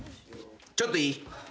ちょっといい？